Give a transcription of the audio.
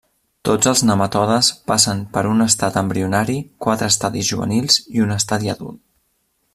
Tots els nematodes passen per un estat embrionari, quatre estadis juvenils i un estadi adult.